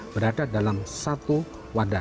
berada dalam satu wadah